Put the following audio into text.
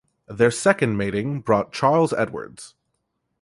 Their second mating brought Charles Edwards.